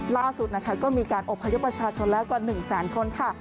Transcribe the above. ล่าสุดนะคะก็มีการอบพยพประชาชนแล้วกว่า๑แสนคนค่ะ